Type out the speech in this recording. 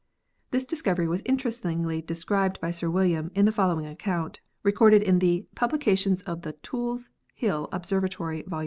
This discovery was inter estingly described by Sir William in the following account, recorded in the 'Publications of the Tulse Hill Observa tory,' Vol.